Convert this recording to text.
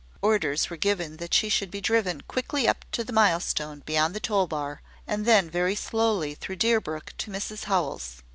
Orders were given that she should be driven quickly up to the milestone beyond the toll bar, and then very slowly through Deerbrook to Mrs Howell's.